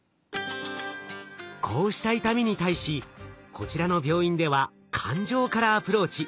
こうした痛みに対しこちらの病院では感情からアプローチ。